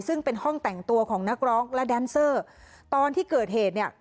ซึ่งเป็นห้องแต่งตัวของนักร้องและแดนเซอร์ตอนที่เกิดเหตุเนี่ย